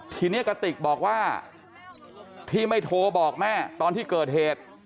ทีนี้กระติกบอกว่าที่ไม่โทรบอกแม่ตอนที่เกิดเหตุ